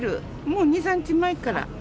もう２、３日前から。